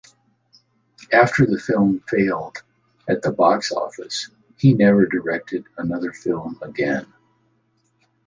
After the film failed at the box office, he never directed another film again.